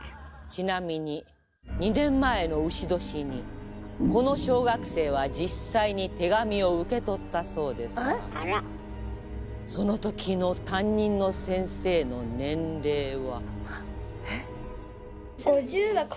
ちなみに２年前の丑年にこの小学生は実際に手紙を受け取ったそうですがそのときの担任の先生の年齢は。